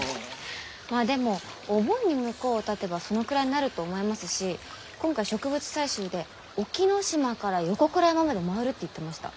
まあでもお盆に向こうをたてばそのくらいになると思いますし今回植物採集で沖の島から横倉山まで回るって言ってました。